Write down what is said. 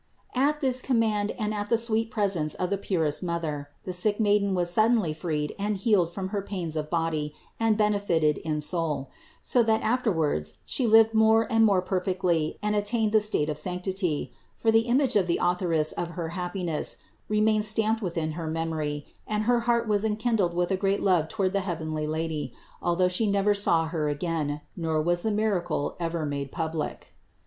At this command and at 168 CITY OF GOD the sweet presence of the purest Mother, the sick maiden was suddenly freed and healed from her pains of body and benefited in soul ; so that afterwards She lived more and more perfectly and attained the state of sanctity; for the image of the Authoress of her happiness re mained stamped within her memory and her heart was enkindled with a great love toward the heavenly Lady, although She never again saw Her, nor was the miracle ever made public.